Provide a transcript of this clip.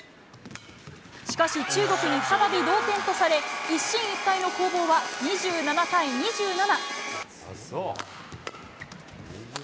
しかし、中国に再び同点とされ一進一退の攻防は２７対２７。